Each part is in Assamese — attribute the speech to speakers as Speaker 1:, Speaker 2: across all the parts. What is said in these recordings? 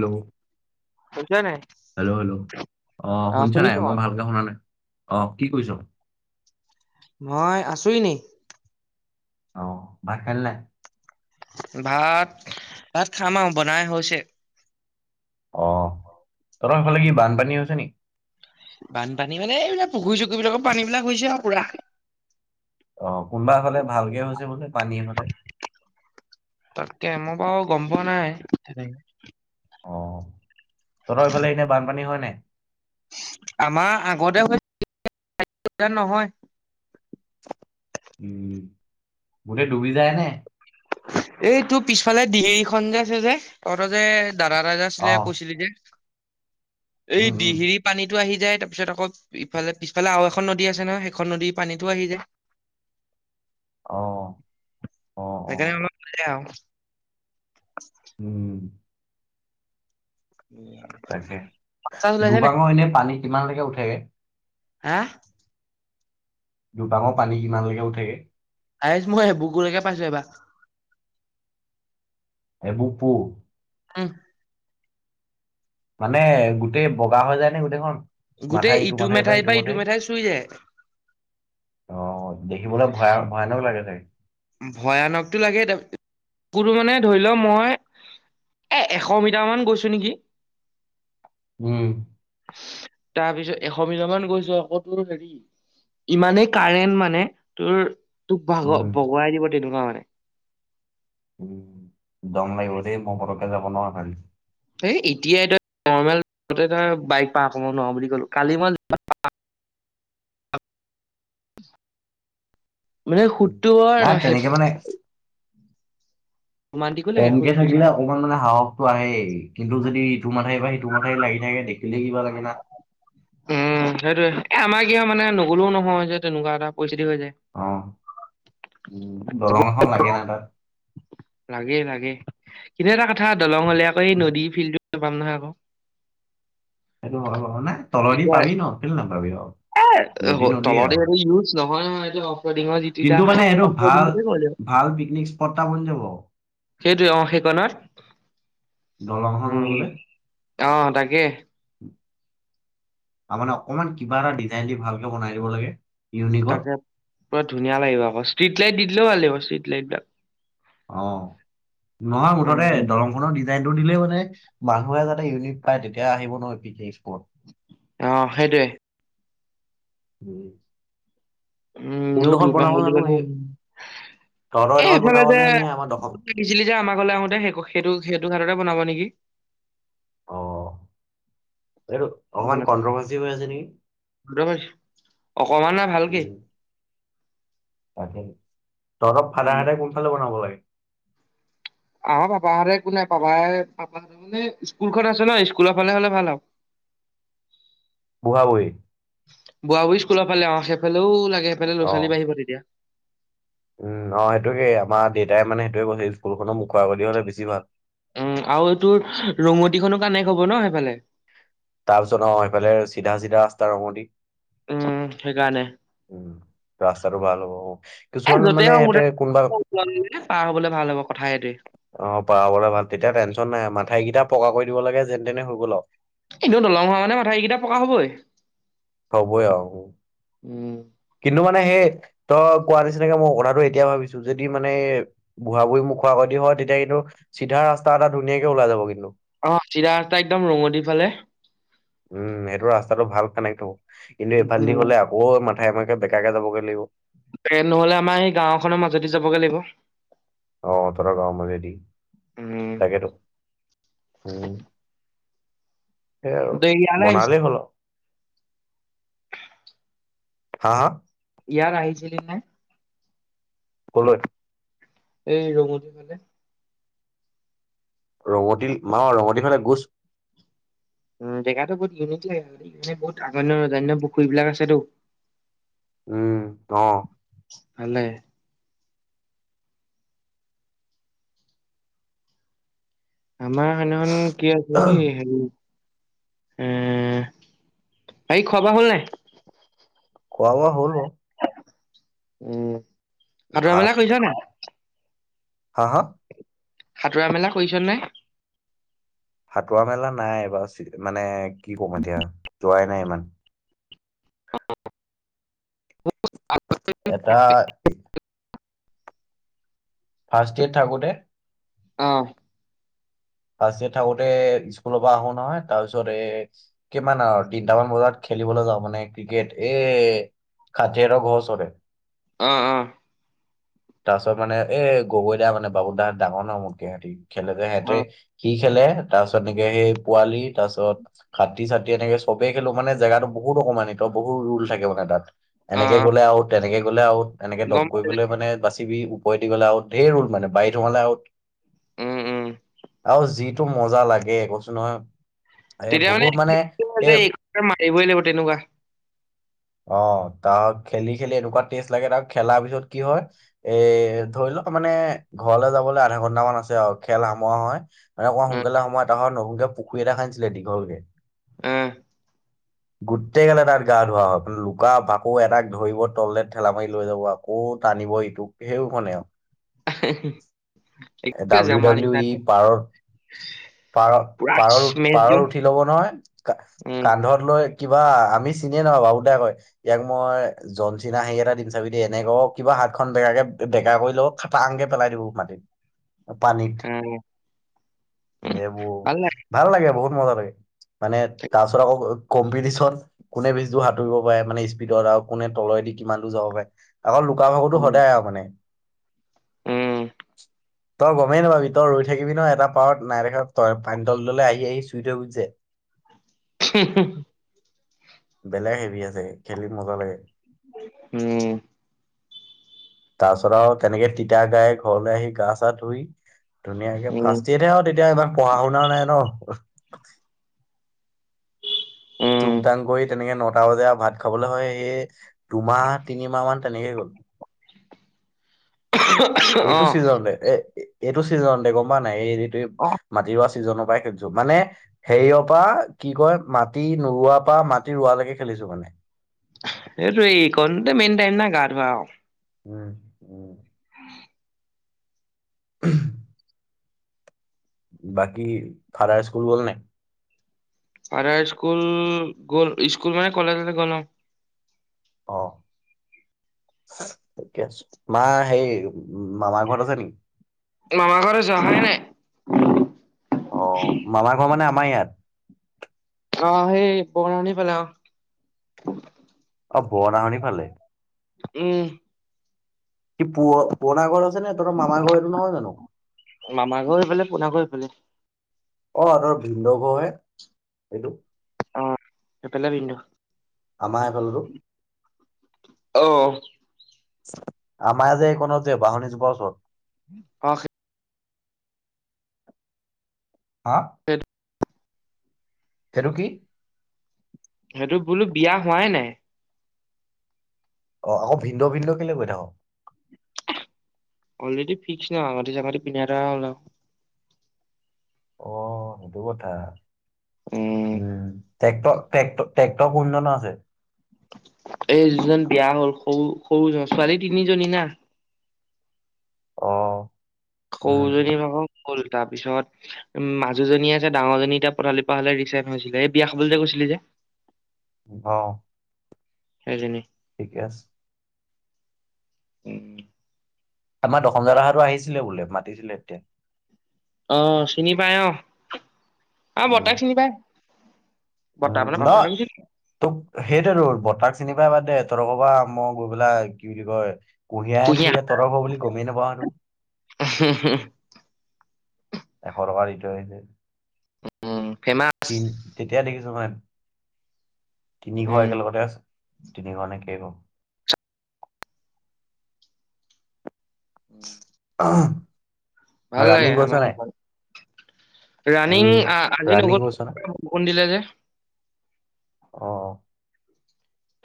Speaker 1: ন ন
Speaker 2: শুনিছা নাই?
Speaker 1: হেল্ল' হেল্ল' অ, শুনিছ নাই মই ভালকে শুনা নাই অ', কি কৈছ
Speaker 2: মই আছো এনেই।
Speaker 1: অ ভাকলোই
Speaker 2: ভাত ভাত খাম আৰু বনাই হৈছে
Speaker 1: অ তহত সেইফালে কি বানপানী হৈছে নেকি
Speaker 2: বানপানী মানে এইবিলাক পুখুৰী চুখুৰী বিলাকৰ পানী বিলাক হৈছে আৰু পুৰা
Speaker 1: আহ কোনোবা হাললে ভালকে হৈছে বোলে পানী হাললে
Speaker 2: তাকে মই বাৰু গম পোৱা নাই তেনেকে
Speaker 1: অ ততই ইফালে এনে বানপানী হয় ন
Speaker 2: আমাৰ আগতে হৈ নহয়,
Speaker 1: উম বোলে ডুবি যায় নে
Speaker 2: এইটোোৰ পিছফালে ডহেৰিখনন যে আছে যে তহত যে দাৰা ৰাজা
Speaker 1: অ
Speaker 2: আছিলে কৈছিলি যে এই
Speaker 1: উম উম
Speaker 2: ডিহিৰি পানীতটো আহি যায় তাৰপিছত আকৌ ইফালে পিছফালে আৰু এখন নদী আছে ন সেইখন নদী পানীতো আহি যায় [inaudible]
Speaker 1: আহ
Speaker 2: সেইকাৰণে আ মাল [unintelligible]
Speaker 1: উম তাকে
Speaker 2: চাচ ওলাইছে নাই?
Speaker 1: দুপাঙৰ এনে পানী কিমানলৈকে উঠেগে।
Speaker 2: হা
Speaker 1: দুবাঙৰ পানী কিমান লকে উঠেগে।
Speaker 2: হাইছ মই এবুকুলৈকে পাইছো এইবা।
Speaker 1: এবুকু।
Speaker 2: উহ
Speaker 1: মানে গোটেই বগা হৈ যায় নে গোটেইখন মাথা
Speaker 2: গোটেই ইটো
Speaker 1: মাথাই পৰা
Speaker 2: মেঠাই
Speaker 1: সিটো
Speaker 2: বা ইটো
Speaker 1: মাথাই
Speaker 2: মেঠাই চুই যায়।
Speaker 1: অ, দেখিবলে ভয় ভয়ানক লাগে চাগে।
Speaker 2: ভয়ানকতটো লাগে, তা, ৰটো মানে ধৰি লও মই এ, এশ মিটাৰ মান গৈছো নেকি?
Speaker 1: উম,
Speaker 2: তাৰপিছত এশ মিটাৰ মান গৈছো আকৌ তোৰ হেৰি ইমানেই কাৰেণ মানে তোৰ তোক ভাগ
Speaker 1: উম,
Speaker 2: কিব তেনেকুৱা মানে।
Speaker 1: উম, দম লাগিব দেই মই সৰকে যাব নোৱাৰ ভাল।
Speaker 2: এই এতিয়াাই তই নৰ্মেল তই বাইক পাৰ ক' নোৱাৰ বুলি ক'লো কালি মই [unintelligible] মানে
Speaker 1: উম।
Speaker 2: সুতটোৰ
Speaker 1: নাই তেনেকে মানে কমকে
Speaker 2: সুতটো
Speaker 1: থাকিলে
Speaker 2: চাই
Speaker 1: অকমান মানে সাহস আহে কিন্তু যদি ইটো মাথ বা সিটো মাথ লাগি থাকে দেখিলে কিবা লাগে ন।
Speaker 2: উম, সেইটোয়ে এ আমাৰ কিয় মানে নগলেও নহয় যে তেনেকুৱা এটা পৰিস্থিতি হৈ যায়।
Speaker 1: অ, উম দংল এখন লাগে ন তাত
Speaker 2: লাগে - লাগে কিন্তু এটা কথা দলং হলে আকৌ এই নদী ফিল্ড পাম নহয় আকৌ।
Speaker 1: সেইটো [unintelligible] তল'দি পাবি ন' কিয় নোপাবি ন?
Speaker 2: এ তলতে এইটো ইউজ নহয়-নহয় এইটো। অফৰডিঙৰ যিটো এতিয়া
Speaker 1: কিন্তু মানে এইটো
Speaker 2: অফৰডিং
Speaker 1: ভাল
Speaker 2: বুলিয়ে কয় লাগিব।
Speaker 1: - ভাল পিকনিক স্পটটা বন যাব।
Speaker 2: সেইটোৱে অ, সেইকণত।
Speaker 1: দলমখান হৈ গলে।
Speaker 2: অহ, তাকে।
Speaker 1: ত মানে অকমান কিবা এটা ডিজাইন দি ভালকে বনাই দিব লাগে। ইউনিকত
Speaker 2: তাকে পুৰা ধুনীয়া লাগিব আকৌ ষ্ট্ৰিট লাইট দি দিলেও ভাল লাগিব, ষ্ট্ৰীট লাইটবাক।
Speaker 1: অ, নহয় মুঠতে
Speaker 2: উম
Speaker 1: দলংখননৰ দি টো দিলে মানে মানুহে যাতে ইউনিট পায় তেতিয়া আহিব নহয় পিকনিক স্পত।
Speaker 2: অ, সেইটোৱে।
Speaker 1: উম,
Speaker 2: উম,
Speaker 1: কোনডোখৰত
Speaker 2: এঠও প
Speaker 1: বনাব
Speaker 2: বল ক
Speaker 1: জানো এই তহঁতৰ
Speaker 2: এ
Speaker 1: এডোখৰত
Speaker 2: সফালে
Speaker 1: বনাব নে নে আমাৰ দখৰ
Speaker 2: যেিছিলি যে আমাক ঘলে আহোতে সেই সেইটো - সেইটো হাততে বনাব নেকি।
Speaker 1: অ', এইটো অকমান
Speaker 2: বনাব
Speaker 1: কন্ট্ৰভাৰ্চি হৈ আছে নেকি?
Speaker 2: অকমানে ভালকে
Speaker 1: উম। [unintelligible] তহঁতৰ ফাডাৰ
Speaker 2: উম
Speaker 1: হতে কোনফালে বনাব লাগে?
Speaker 2: আমাৰ পাপাহতৰ একো নাই, পাপাই পাপাহতৰ মানে স্কুলখন আছে ন স্কুলৰ ফালে হলে ভাল আৰু। [inaudible]
Speaker 1: [unintelligible]
Speaker 2: বোৱা বুই স্কুলৰ ফালে অ সেইফালেও লাগে সেইফালে
Speaker 1: অ।
Speaker 2: লৰা ছোৱালী বাঢ়িব তেতিয়া।
Speaker 1: উম অ', সেইটোকেই আমাৰ দেউতাই মানে সেইটোয়ে কৈছে স্কুলখনৰ মুখৰ আগেদি হ'লে বেছি ভাল।
Speaker 2: উম আৰু এইটোৰ ৰঙতিখনো কানেক্ত হব ন সেইফালে।
Speaker 1: তাৰপিছত অহ সেইফালে চিধা চিধা ৰাস্তা ৰঙ দি-
Speaker 2: উম, সেইকাৰণে
Speaker 1: উম, ৰাস্তাটো ভাল হ'ব অ
Speaker 2: এ
Speaker 1: কিছুমান
Speaker 2: য'তে
Speaker 1: মানে
Speaker 2: হওক
Speaker 1: ইহতে কোনোবা
Speaker 2: মুঠতে পাৰ হ'বলে ভাল হ'ব কথা সেইটোৱে
Speaker 1: অ' পাবলে ভাল তেতিয়া টেনচন নাই মাথাাই কেইটা পকা কৰি দিব লাগে যেন তেনে হৈ গ'ল
Speaker 2: একদম দলং হোৱা মানে মাথা এইকেইটা পকা হ'বই
Speaker 1: হবই আহো
Speaker 2: উম।
Speaker 1: কিন্তু মানে সেই তই কোৱা নিচিনাকে মই কথাটো এতিয়া ভাবিছো যদি মানে বুঢ়া বুহী ম খাকদি হয় তেতিয়া কিন্তু চিধা ৰাস্তা এটা ধুনীয়াকে ওলাই যাব কিন্তু
Speaker 2: অ' চিধা ৰাস্তা একদম ৰঙতি ফালে
Speaker 1: উম সেইটো ৰাস্তাটো ভাল কানেক্ট হব কিন্তু এইফালে দি
Speaker 2: উম
Speaker 1: হলে আকৌ মাথাই এমেকে বেকাকে যাবগৈ লাগিব।
Speaker 2: নহলে আমাৰ সেই গাওখনৰ মাজতে যাবগে লাগিব
Speaker 1: অ' তাৰ গাঁৱৰ মাজেদি
Speaker 2: উম
Speaker 1: তাকেতো উম। সেই আৰু,
Speaker 2: তই ইয়ালে আহিছ
Speaker 1: বনালেই হ'ল আৰু। হা, হা?
Speaker 2: ইয়াত আহিছিলিনে?
Speaker 1: ক'লৈ?
Speaker 2: এই ৰঙতি ফালে।
Speaker 1: ৰঙতি, মা ৰঙতিৰ ফালে গৈছ
Speaker 2: উম, জেগাতটো বহুত ইউনিক [unintelligible] বহুত আগৰ দিনৰ, ৰজাৰ দিনৰ পুখুৰীবিলাক আছেতো।
Speaker 1: উম, অ'।
Speaker 2: ভালেই। আমাৰ সেদিনাখন কি আছে দেই হেৰি উম হেৰি খোৱা-বোৱা হ'ল নে নাই?
Speaker 1: খোৱা-বোৱা হ'ল বাৰু।
Speaker 2: উম।
Speaker 1: ভাত
Speaker 2: সাতোঁৰা-মেলা কৰিছ নে নাই?
Speaker 1: হা, হা?
Speaker 2: সাঁতোৰা-মেলা কৰিছ নে নাই?
Speaker 1: সাতুঁৰা-মেলা নাই এইবাৰ, মানে কি ক'ম এতিয়া যোৱাই নাই ইমান।
Speaker 2: উম
Speaker 1: এটা ফাৰ্ষ্ট ইেয়েত থাকোতে
Speaker 2: উম।
Speaker 1: ফাৰ্ষ্ট ইয়েত থাকোতে স্কুলৰ পৰা আহো নহয়, তাৰপিছত এ কিমান আৰু তিনটামান বজাত খেলিবলৈ যাওঁ মানে ক্ৰিকেট, এই সাথিহতঁৰ ঘৰৰ ওচৰতে।
Speaker 2: অ', অ'।
Speaker 1: তাৰপাছত মানে এ গগৈ দা মানে, বাবু দাহতঁ ডাঙৰ ন মোতকে সিহতি খেলেযে
Speaker 2: অ
Speaker 1: সিহতে,
Speaker 2: অ
Speaker 1: কি খেলে তাৰপিছত এনেকে সেই পোৱালি তাৰপিছত খাটি-চাঠি এনেকে চবে খেলো, মানে জেগাতটো বহুতো মানিক বহুত ৰুল থাকে মানে তাত।
Speaker 2: অ
Speaker 1: এনেকে গ'লে আউট, তেনেকে গ'লে আউট, এনেকে ডপ
Speaker 2: গম পাই
Speaker 1: কৰিবলে মানে [unintelligible] ওপৰেদি গ'লে আউট। ধেৰ ৰুল মানে, বাৰীত সোমালে আউট।
Speaker 2: উম উম
Speaker 1: আৰু যিটো মজা লাগে, কৈচো নহয় এ
Speaker 2: তেতিয়া মানে
Speaker 1: বহুত এ
Speaker 2: [inaudible] মাৰিবই লাগিব তেনেকুৱা।
Speaker 1: অ', তাৰ খেলি, খেলি এনেকুৱা টেষ্ট লাগে তাৰ খেলাৰ পিছত কি হয়? এ, ধৰি লওঁক‌ মানে ঘৰলৈ যাবলৈ আধাঘন্টা মান আছে আৰু খেল সামৰা হয়,
Speaker 2: অ
Speaker 1: [unintelligible] [unintelligible] নতুনকে পুখুৰী এটা খান্দিছিলে দীঘলকে।
Speaker 2: উম।
Speaker 1: গোটেই গালে তাত গা ধোৱা হয়, লুকা, ভাকু এটাক ধৰিব তললে ঠেলা মাৰি লৈ যাব, আকৌ টানিব ইটোক সেই [unintelligible] এ ডাব্লিউ
Speaker 2: আমাৰ
Speaker 1: ডাব্লিউ
Speaker 2: নিচিনা
Speaker 1: ই
Speaker 2: একদম
Speaker 1: পাৰত পাৰ
Speaker 2: পুৰা
Speaker 1: পাৰৰ
Speaker 2: স্মেচ
Speaker 1: পাৰৰ
Speaker 2: দিওঁ
Speaker 1: উঠি ল'ব নহয় কা
Speaker 2: উম
Speaker 1: কান্ধত লৈ কিবা আমি চিনিয়ে নাপাওঁ বাবু দাই কয়, ইয়াক মই জনচিনা হেয়ি এটা দিম চাবি দেই এনেকে ক'ব কিবা ভাত খন বেগাকে বেকাা কৰি ল খাটা আংকে পেলাই দিব মাটিত পানীত
Speaker 2: উম উম,
Speaker 1: এইবোৰ
Speaker 2: ভাল লাগে
Speaker 1: ভাল লাগে বহুত মজা লাগে মানে তাৰ পাছত আকৌ কম্পিটিচন কোনে বেছ দোৰ সাঁতুব পাৰে মানে স্পীডত আৰু কোনে তলেদি কিমান দূৰ যাব পাৰে আকৌ লুকা ভাকুতো
Speaker 2: উম
Speaker 1: সদায় আৰু মানে।
Speaker 2: উম
Speaker 1: তই গমেই নাপাবি তই ৰৈ থাকিবি ন এটা পাৰত নাই দেখা তই পানী তলে তলে আহি আহি চুই থৈ গৈছে।
Speaker 2: [unintelligible]
Speaker 1: বেলেগ হেভি আছে খেলি মজা লাগে।
Speaker 2: উম।
Speaker 1: তাৰ পাছত আৰু তেনেকে তিতা গাই ঘৰলৈ আহি গা চা ধুই ধুনীয়াকে
Speaker 2: উম
Speaker 1: ফাৰ্ষ্ট ইয়েৰতহে আৰু তেতিয়া এইবাৰ পঢ়া শুনাও নাই ন। টুং
Speaker 2: উম
Speaker 1: টাং কৰি তেনেকে নটা বাজে আৰু ভাত খাবলৈ হয় সেয়ে। দুমাহ তিনিমাহ মান তেনেকেই গ'ল।
Speaker 2: অ
Speaker 1: এইটো ছিজনতে এ এইটো ছিজনতে গম প নাই এই যটো
Speaker 2: অ
Speaker 1: মাটি চিজনৰ পৰাই খেলিছো মানে হেৰিয়ৰ পৰা কি কয় মাটি নৰুাৰ পৰা মাটি ৰৱালৈকে খেলিছো মানে
Speaker 2: এই তোৰ এইকনতে মেইন টাইম না গা ধোৱা আৰু।
Speaker 1: উম, উম। [unintelligible] বাকী ফাদাৰ স্কুল গ'ল নাই।
Speaker 2: আৰু স্কুল গ'ল স্কুল মানে কলেজলে গ'ল ন।
Speaker 1: অ'। মা সেই মামাৰ ঘৰত আছে নেকি।
Speaker 2: [unintelligible]
Speaker 1: অ', মামা ঘৰ মানে আমাৰ ইয়াত।
Speaker 2: অ' সেই বনানি ফালে অ'।
Speaker 1: অ, বনাহনি ফালে।
Speaker 2: উম।
Speaker 1: কি প পনা গৰ তেনে তহতৰ মামাৰ ঘৰ এইটো নহয় জানো।
Speaker 2: মামা ঘৰ এইফালে পোনা ঘৰ এইফালে
Speaker 1: অ ', তৰ ভিন্দ ঘৰহে এইটো।
Speaker 2: অ ই পেল ভিণ্ডো
Speaker 1: আমাৰ ইফালোতো।
Speaker 2: অ
Speaker 1: আমাৰ যে এইকনত যে বাহনিজোপাৰ ওচৰত।
Speaker 2: অ'
Speaker 1: হা
Speaker 2: সেইটো
Speaker 1: তেৰু কিি
Speaker 2: সেইটো বোলো বিয়া হোৱাই নাই।
Speaker 1: অ, আকৌ ভিন্দ ভিন্দ কেলে কৈ থাক।
Speaker 2: এইতো ফিক্স ন আঙঠি চাঙঠি পিন্ধি এহতৰ
Speaker 1: অ, সেইটো কথা উম। ট্ৰেকটট্ৰেট ট্ৰেক্টপ কোনধ আছে
Speaker 2: এই যজন বিয়া হ'ল সৰু সৰুজন ছোৱালী তিনিজনী না
Speaker 1: অ,
Speaker 2: কৌ
Speaker 1: উম,
Speaker 2: যদি মাকৌ হ'ল তাৰপিছত উ মাজুজনী আছে ডাঙৰজনী এতিয়া পঠালি পৰা হলে ৰিচাইন হৈছিলে এই বিয়া খাবলৈ যে কৈছিলি যে [inaudible]
Speaker 1: অ'
Speaker 2: হদিনি
Speaker 1: ঠিকে আছে।
Speaker 2: উম।
Speaker 1: আমাৰ [unintelligible] আহিছিলে বোলে, মাতিছিলে তেতিয়া।
Speaker 2: অ', চিনি পাই অ', আমাৰ
Speaker 1: উম,
Speaker 2: বৰ্তাক চিনি পায়।
Speaker 1: উম নহ তোক সেইটোৱেটো ব কাত চিনি পাই বাদ দে, তহতৰ ঘৰৰ পৰা মই গৈ পেলাই কি বুলি কয় কুঢ়িয়াৰহে
Speaker 2: কুঁহিয়া
Speaker 1: অনিছোগে, তহতৰ ঘৰ বুলি গমেই নাপাওঁ হেতু। এশ টকা দি থৈ আহিছোগে,
Speaker 2: উম ফেমাচ
Speaker 1: তিন [unintelligible] দেখিছো মানে,
Speaker 2: উম
Speaker 1: তিনিঘৰ একেলগতে আছে, তিনিঘৰ নে কেইঘৰ।
Speaker 2: উম।
Speaker 1: [unintelligible]
Speaker 2: ভাল
Speaker 1: ৰানিং
Speaker 2: লাগে
Speaker 1: গৈছ
Speaker 2: আমাৰ
Speaker 1: নাই
Speaker 2: ভাল। ৰাণিং
Speaker 1: উম
Speaker 2: আজি [unintelligible]
Speaker 1: ৰানিং গৈছ না
Speaker 2: বৰষুণ দিলে যে।
Speaker 1: অ'।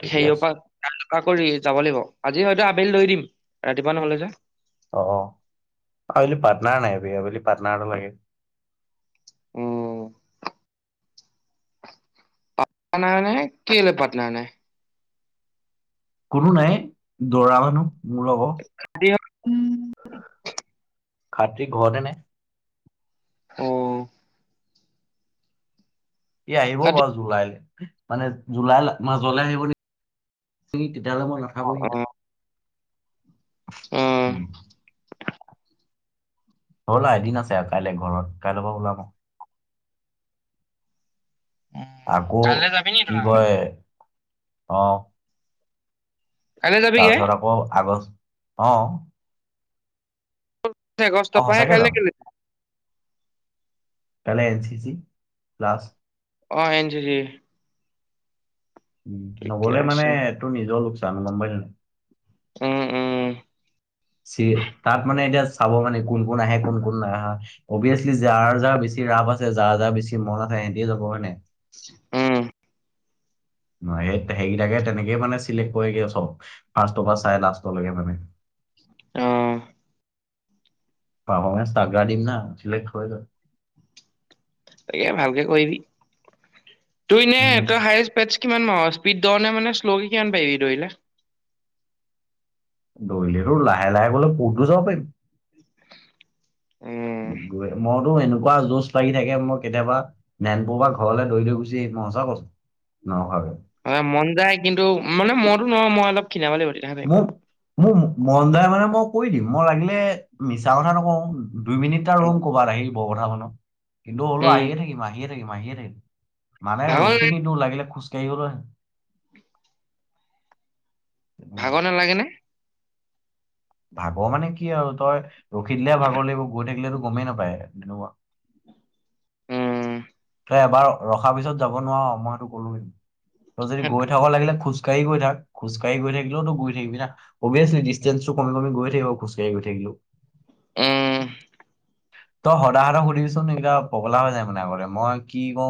Speaker 1: ঠিকে
Speaker 2: হেৰিয়
Speaker 1: আছে
Speaker 2: পৰা, [unintelligible] যাব লাগিব আজি হয়তো আবেলি লৈ দিম ৰাতিপুৱা নহলে যে।
Speaker 1: অ', আবেলি পাৰ্টনাৰ নাই বে, আবেলি পাৰ্টনাৰ এটা লাগে।
Speaker 2: উম। [unintelligible] কেলে পাৰ্টনাৰ নাই?
Speaker 1: কোনো নাই, দৌৰা মানুহ? মোৰ লগৰ
Speaker 2: [unintelligible]
Speaker 1: আপুনি ঘৰতে নে?
Speaker 2: অ',
Speaker 1: সি আহিব
Speaker 2: কাটি
Speaker 1: বাৰু জুলাইত, মানে জুলাইৰ মাজলে আহিব নেকি? তেতিয়াহ'লে মই
Speaker 2: অ
Speaker 1: নাথাকোঁ [unintelligible]
Speaker 2: অ
Speaker 1: [inaudible] হ'ল আৰ এদিন আছে আৰু কাইলে ঘৰত কাইলৈৰ পৰা ওলাম। আকৌ,
Speaker 2: কাইলৈ যাবি নি
Speaker 1: কি
Speaker 2: তই
Speaker 1: কয়, অ,
Speaker 2: কাইলৈ যাবিগে
Speaker 1: তাৰপিছত আকৌ, আগষ্ট, অ,
Speaker 2: তে
Speaker 1: অ
Speaker 2: আগষ্টৰ পৰা
Speaker 1: সঁচাকে যাম
Speaker 2: কাইলৈ কেলে?
Speaker 1: এনে, [unintelligible] প্লাছ
Speaker 2: অ', এঞ্চিচি
Speaker 1: নগ'লে মানে
Speaker 2: আছে
Speaker 1: তোৰ নিজৰ লোকচান হ'ব গম পালি নে?
Speaker 2: উম উম।
Speaker 1: [unintelligible] তাত মানে এতিয়া চাব মানে কোন কোন আহে কোন কোন নাই আহা অবিৱেছলি যাৰ যাৰ বেছি ৰাপ আছে যাৰ যাৰ বেছি মন আছে সিহঁতেও যাব হয় নে?
Speaker 2: উম।
Speaker 1: ন সেই সেইকেইটাকে তেনেকেই মানে চিলেক্ট কৰেগে চব ফাৰ্ষ্টৰ পৰা চাই লাষ্টলৈকে মানে।
Speaker 2: অ',
Speaker 1: [unintelligible] দিম না চিলেক্ট হৈ যাম।
Speaker 2: তাকে ভালকে কৰিবি, তই এনে
Speaker 1: যায়
Speaker 2: তই হাইচ বেচ কিমান মাহ স্পীড ধ নে মানে শ্লকে' কিমান পাৰিবি দৌৰিলে।
Speaker 1: দৌৰিলেতো লাহে লাহে গ'লে কতো যাব পাৰিম।
Speaker 2: উম,
Speaker 1: মইতো এনেকুৱা যশ লাগি থাকে মই কেতিয়াবা, [unintelligible] ঘৰলে দৌৰি দৌৰি গু চি মজা [unintelligible]
Speaker 2: হয় মন খিনাবলে [unintelligible] নে?
Speaker 1: মোক মোৰ মন যায় মানে মই কৈ দিম মই লাগিলে, মিছা কথা নকওঁ। দুই মিনিটটা
Speaker 2: উম,
Speaker 1: ৰুম ক'ৰবাত আহি বহ কথা শুনো কিন্তু হলেও
Speaker 2: উম,
Speaker 1: আহিয়ে থাকিম, আহিয়ে থাকিম, আহিয়ে থাকিম। মানে
Speaker 2: ভাগৰ
Speaker 1: ৰখি
Speaker 2: লাগে
Speaker 1: নি তো লাগিলে খোজকাাঢ়ি গলে
Speaker 2: ভাগৰ নালাগে নে?
Speaker 1: ভাগৰ মানে কি আৰু তই, ৰখি দিলেহে ভাগৰ লাগিব গৈ থাকিলেতো গমেই নাপায়, এনেকুৱা।
Speaker 2: উম,
Speaker 1: তই এবাৰ ৰখাৰ পিছত যাব নোৱাৰ, মই সেইটো কলোঁৱে, তই যদি
Speaker 2: সেইট-
Speaker 1: গৈ থাক লাগিলে খোজ কাহি গৈ থাক, খোজ কাহি গৈ থাকি [unintelligible] গৈ থাকিবি না, অভিয়াচলি ডিষ্টেঞ্চটো কমি কমি গৈ থাকিব খোজ কাহি গৈ থাকিলে।
Speaker 2: উম,
Speaker 1: তই সদায় সদায় সুধিবিচোন এতিয়া পগলা হৈ যায় মানে আগৰে, মই কি কওঁ